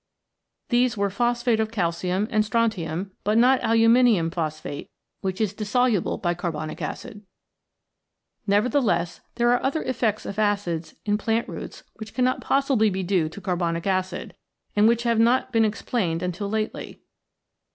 These were phosphate of calcium and strontium, but not aluminium phosphate, which is dissoluble by carbonic acid. Nevertheless, there are other effects of acids in plant roots which cannot possibly be due to carbonic acid, and which have not been ex plained until lately.